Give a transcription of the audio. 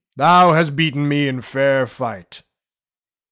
Thou hast beaten me in fair fight."